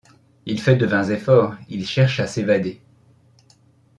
Il fait de vains efforts, il cherche à s’évader ;